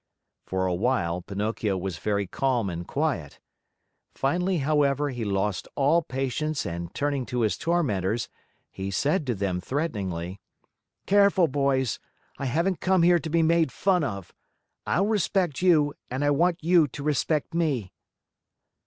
For a while Pinocchio was very calm and quiet. Finally, however, he lost all patience and turning to his tormentors, he said to them threateningly: "Careful, boys, I haven't come here to be made fun of. I'll respect you and I want you to respect me."